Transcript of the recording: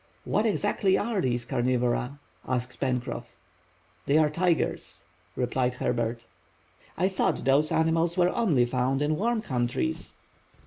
"What, exactly, are these carnivora?" asked Pencroff. "They are tigers," replied Herbert. "I thought those animals were only found in warm countries."